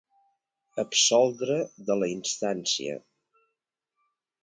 Absoldre de la instància.